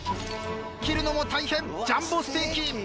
切るのも大変ジャンボステーキ。